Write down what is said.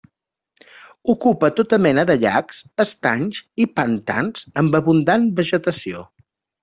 Ocupa tota mena de llacs, estanys i pantans amb abundant vegetació.